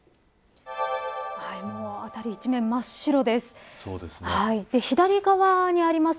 もう、辺り一面真っ白です。